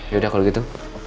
yaudah kalau gitu